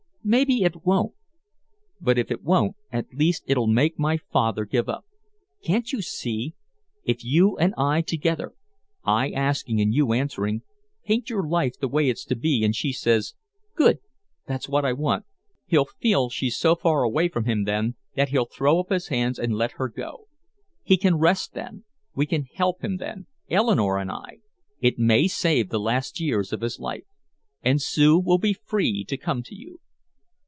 "Maybe it won't. But if it won't, at least it'll make my father give up. Can't you see? If you and I together I asking and you answering paint your life the way it's to be, and she says, 'Good, that's what I want' he'll feel she's so far away from him then that he'll throw up his hands and let her go. He can rest then, we can help him then Eleanore and I can it may save the last years of his life. And Sue will be free to come to you."